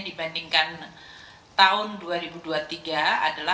di banding kan normal